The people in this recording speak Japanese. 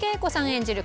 演じる